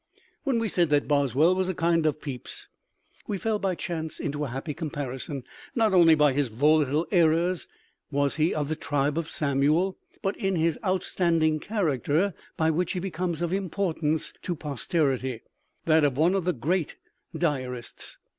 When we said that Boswell was a kind of Pepys, we fell by chance into a happy comparison. Not only by his volatile errors was he of the tribe of Samuel, but in his outstanding character by which he becomes of importance to posterity that of one of the great diarists.